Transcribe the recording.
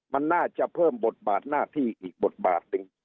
มันน่าจะเพิ่มบทบาทหน้าที่อีกบทบาทหนึ่ง